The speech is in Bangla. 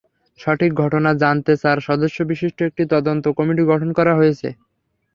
সঠিক ঘটনা জানতে চার সদস্যবিশিষ্ট একটি তদন্ত কমিটি গঠন করা হয়েছে।